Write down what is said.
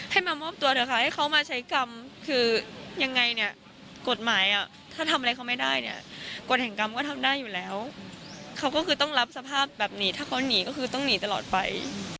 ให้มามอบตัวเถอะค่ะให้เขามาใช้กรรมคือยังไงเนี่ยกฎหมายถ้าทำอะไรเขาไม่ได้เนี่ยกฎแห่งกรรมก็ทำได้อยู่แล้วเขาก็คือต้องรับสภาพแบบนี้ถ้าเขาหนีก็คือต้องหนีตลอดไป